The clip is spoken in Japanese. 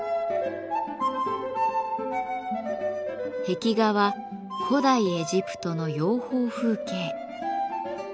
壁画は古代エジプトの養蜂風景。